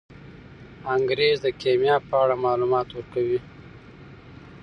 انګریز د کیمیا په اړه معلومات ورکوي.